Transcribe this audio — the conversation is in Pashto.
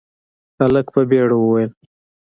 هلک په بيړه وويل: